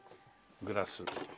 グラス。